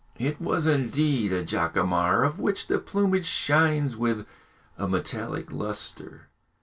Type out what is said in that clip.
It was indeed a jacamar, of which the plumage shines with a metallic lustre.